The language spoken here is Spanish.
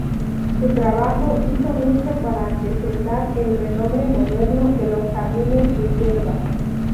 Su trabajo hizo mucho para acrecentar el renombre moderno de los Jardines de Hierbas.